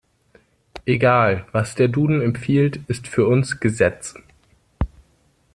Egal. Was der Duden empfiehlt, ist für uns Gesetz.